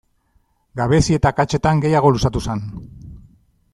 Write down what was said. Gabezi eta akatsetan gehiago luzatu zen.